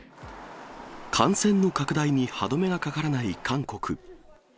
感染の拡大に歯止めがかからない韓国。